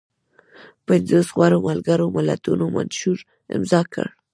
پنځوس غړو ملګرو ملتونو منشور امضا کړ.